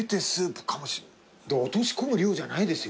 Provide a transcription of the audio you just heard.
でも落とし込む量じゃないですよ。